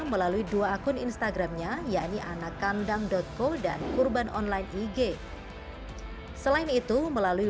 melalui dua akun instagramnya yakni anak kandang co dan kurban online ig selain itu melalui